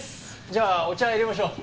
じゃお茶入れましょう。